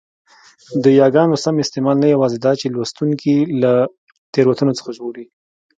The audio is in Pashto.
د یاګانو سم استعمال نه یوازي داچي لوستوونکی له تېروتنو څخه ژغوري؛